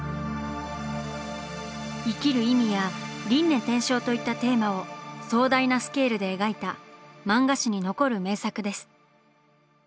生きる意味や輪廻転生といったテーマを壮大なスケールで描いた漫画史に残る名作です。